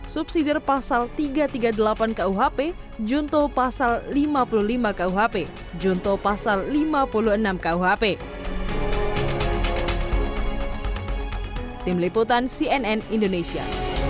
subsidi pasal tiga ratus tiga puluh delapan kuhp junto pasal lima puluh lima kuhp junto pasal lima puluh enam kuhp